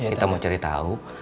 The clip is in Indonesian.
kita mau cari tau